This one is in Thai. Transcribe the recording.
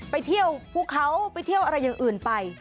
ไปเที่ยวภูเขาไปเที่ยวอะไรอย่างอื่นไป